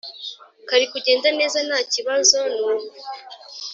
karikugenda neza ntakibazo nuko